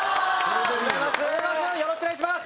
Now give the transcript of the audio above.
よろしくお願いします。